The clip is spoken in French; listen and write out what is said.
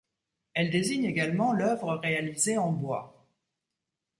Elle désigne également l’œuvre réalisée en bois.